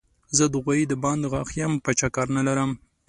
زه د غوايي د باندې غاښ يم؛ په چا کار نه لرم.